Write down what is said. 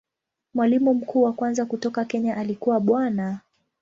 Mwalimu mkuu wa kwanza kutoka Kenya alikuwa Bwana.